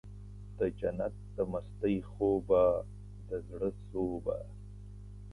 دجنت د مستۍ خوبه د زړه سوبه